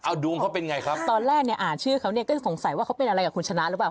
เอาดวงเขาเป็นไงครับตอนแรกเนี่ยอ่านชื่อเขาเนี่ยก็สงสัยว่าเขาเป็นอะไรกับคุณชนะหรือเปล่า